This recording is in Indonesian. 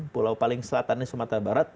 pulau paling selatan sumatera barat